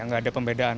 enggak ada pembedaan